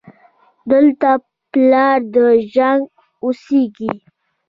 دلته پلار د جنګ اوسېږي